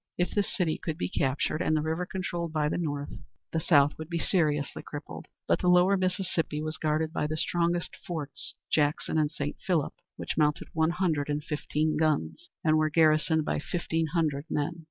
If this city could be captured, and the river controlled by the North, the South would be seriously crippled. But the lower Mississippi was guarded by the strongest forts, Jackson and St. Philip, which mounted one hundred and fifteen guns, and were garrisoned by fifteen hundred men.